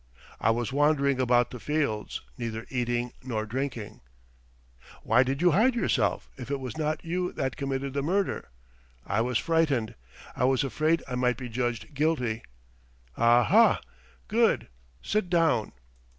"I was wandering about the fields. ... Neither eating nor drinking ...." "Why did you hide yourself, if it was not you that committed the murder?" "I was frightened. ... I was afraid I might be judged guilty. ..." "Aha! ... Good, sit down!"